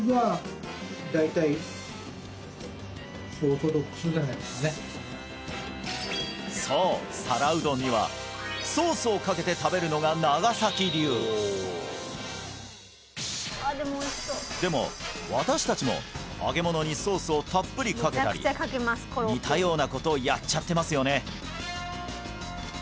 大体そう皿うどんにはソースをかけて食べるのが長崎流でも私達も揚げ物にソースをたっぷりかけたり似たようなことやっちゃってますよね